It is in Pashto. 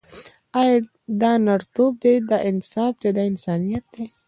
آیا دا نرتوب دی، دا انصاف دی، دا انسانیت دی.